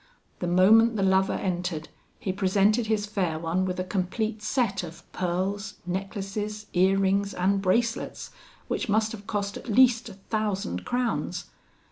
The moment the lover entered, he presented his fair one with a complete set of pearls, necklaces, ear rings, and bracelets, which must have cost at least a thousand crowns.